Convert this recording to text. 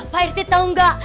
pak rete tahu nggak